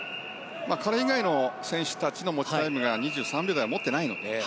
彼以外の選手たちの持ちタイムが２３秒台を持っていないので。